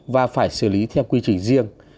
và phải xử lý theo quy trình riêng